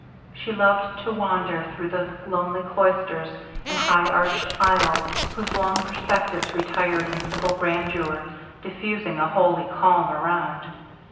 She loved to wander through the lonely cloisters, and high arched aisles, whose long perspectives retired in simple grandeur, diffusing a holy calm around.